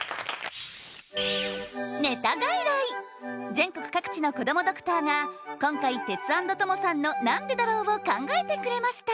全国各地のこどもドクターが今回テツａｎｄトモさんのなんでだろうを考えてくれました